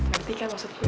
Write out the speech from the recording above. terti kan maksud gue